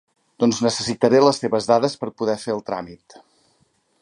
Doncs necessitaré les teves dades per poder fer el tràmit.